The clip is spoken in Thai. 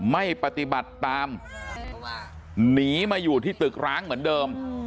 ไม่ปฏิบัติตามหนีมาอยู่ที่ตึกร้างเหมือนเดิม